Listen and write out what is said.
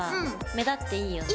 目立っていいよね！